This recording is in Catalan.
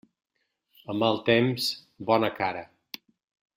A mal temps, bona cara.